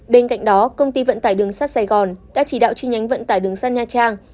bên cạnh đó công ty vận tải đường sắt sài gòn đã chỉ đạo chi nhánh vận tải đường sắt nha trang